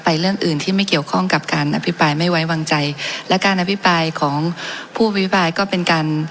เรื่องอื่นที่ไม่เกี่ยวข้องกับการอภิปรายไม่ไว้วางใจและการอภิปรายของผู้อภิปรายก็เป็นการ